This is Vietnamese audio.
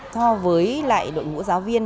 so với lại đội ngũ giáo viên